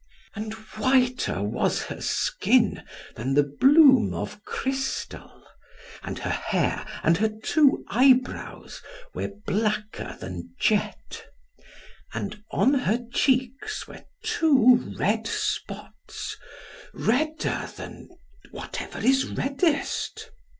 And whiter was her skin than the bloom of crystal, and her hair and her two eyebrows were blacker than jet, and on her cheeks were two red spots, redder than whatever is reddest.